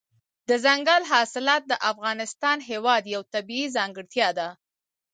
دځنګل حاصلات د افغانستان هېواد یوه طبیعي ځانګړتیا ده.